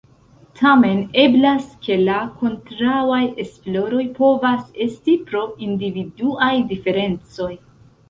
Tamen, eblas ke la kontraŭaj esploroj povas esti pro individuaj diferencoj.